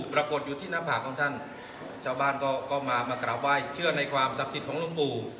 ปรากฏอยู่ที่หน้าผากของท่านชาวบ้านก็มามากราบไหว้เชื่อในความศักดิ์สิทธิ์ของหลวงปู่